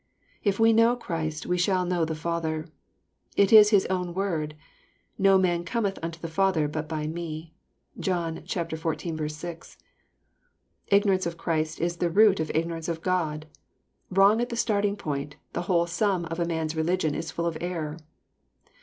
If we know Christ, we sh all know the Father. It is His own word, —^" No man cometh unto the Father but by Me.'* (John xiv. 6.) Ignorance of Christ is the root of ignorance of Gk)d. Wrong at the starting point, the whole sum of a man's religion is full of error.